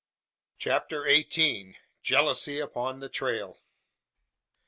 CHAPTER EIGHTEEN. JEALOUSY UPON THE TRAIL.